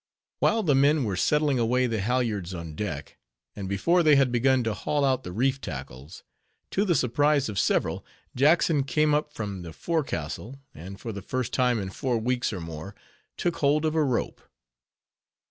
While the men were settling away the halyards on deck, and before they had begun to haul out the reef tackles, to the surprise of several, Jackson came up from the forecastle, and, for the first time in four weeks or more, took hold of a rope.